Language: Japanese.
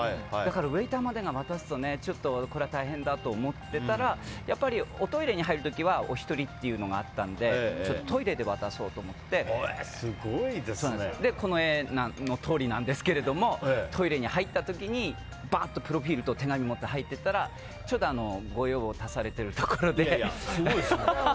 ウェーターまでが渡すと大変だと思っていたらやっぱりおトイレに入る時はお一人というのがあったのでトイレで渡そうと思ってこの絵のとおりなんですけどもトイレに入った時にプロフィールと手紙を持って入っていったらちょっとご用を足されてるところで。